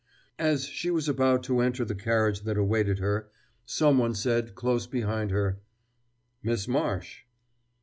As she was about to enter the carriage that awaited her, someone said close behind her: "Miss Marsh."